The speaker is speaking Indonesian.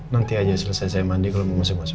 nanti aja selesai saya mandi kalau mau masuk masuk